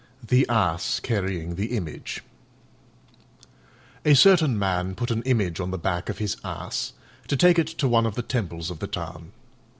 THE ASS CARRYING THE IMAGE A certain man put an Image on the back of his Ass to take it to one of the temples of the town.